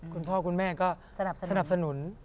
คุณพ่อคุณแม่ก็สนับสนุน